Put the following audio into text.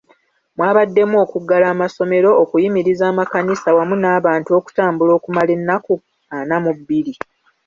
Mwabaddemu okuggala amasomero, okuyimiriza amakanisa wamu n’abantu okutambula okumala ennaku ana mu bbiri.